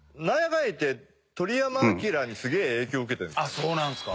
あっそうなんですか。